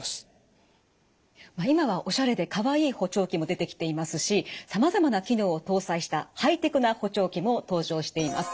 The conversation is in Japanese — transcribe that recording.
今はオシャレでかわいい補聴器も出てきていますしさまざまな機能を搭載したハイテクな補聴器も登場しています。